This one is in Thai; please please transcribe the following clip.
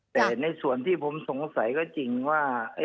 แต่ในส่วนที่ผมสงสัยก็จริงว่า